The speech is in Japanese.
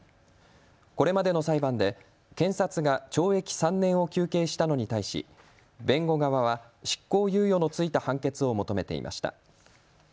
これまでの裁判で検察が懲役３年を求刑したのに対し弁護側は執行猶予のついた判決を求めていました。